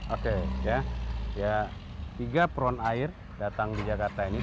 oke ya tiga peron air datang di jakarta ini